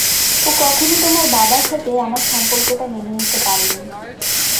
ও কখনো তোমার বাবার সাথে আমার সম্পর্কটা মেনে নিতে পারেনি।